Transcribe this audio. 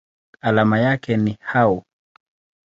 Alama yake ni Au.